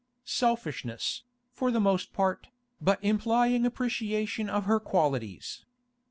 Selfishness, for the most part, but implying appreciation of her qualities.